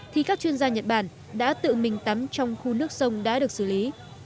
thì các chuyên gia nhật bản đã tự mình tắm trong khu nước sông đã được xử lý